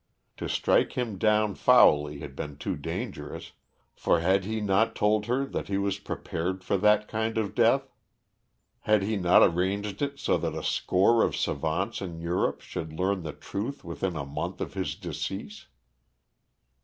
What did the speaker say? To strike him down foully had been too dangerous, for had he not told her that he was prepared for that kind of death? Had he not arranged it so that a score of savants in Europe should learn the truth within a month of his decease?